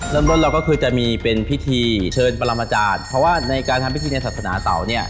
เริ่มต้นเราก็คือจะมีเป็นพิธีเชิญปรมาจารย์เพราะว่าในการทำพิธีในศาสนาเตาเนี่ย